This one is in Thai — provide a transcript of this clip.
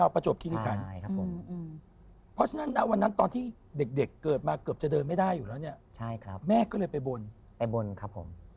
พี่เอลเป็นไอดอนมาตลอดครับผม